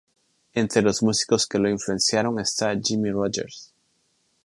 Entre los músicos que lo influenciaron está Jimmie Rodgers.